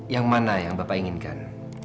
yang mana yang bapak inginkan